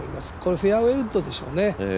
フェアウエーウッドでしょうね。